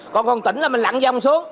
còn còn tỉnh là mình lặn vòng xuống